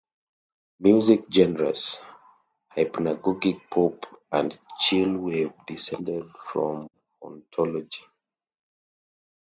Music genres hypnagogic pop and chillwave descended from hauntology.